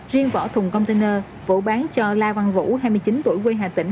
riêng vỏ thùng container vũ bán cho la văn vũ hai mươi chín tuổi quê hà tĩnh